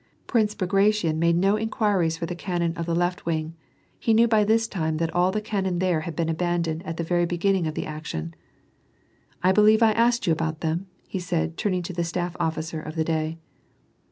HPrince Bagration made no in quiries for the cannon of the left wing ; he knew by this time that all the cannon there had been abandoned at the very be ginning of the action.) " I believe I asked you about them ?" he said, turning to the staff officer of the day.